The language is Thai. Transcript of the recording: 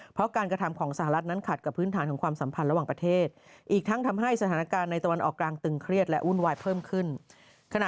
เพราะการกระทำของสหรัฐนั้นขัดกับพื้นฐานของความสัมพันธ์ทราบระหว่างประเทศ